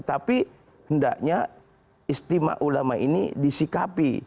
tapi hendaknya istimewa ulama ini disikapi